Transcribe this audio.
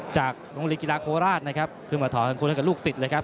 จากโรงเรียนกีฬาโคราชนะครับขึ้นมาถอดมงคลให้กับลูกศิษย์เลยครับ